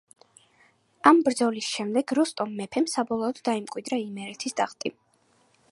ამ ბრძოლის შემდეგ როსტომ მეფემ საბოლოოდ დაიმკვიდრა იმერეთის ტახტი.